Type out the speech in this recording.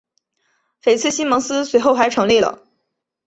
菲茨西蒙斯随后还成立了。